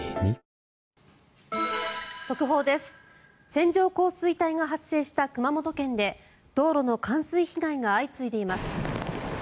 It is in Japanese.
線状降水帯が発生した熊本県で道路の冠水被害が相次いでいます。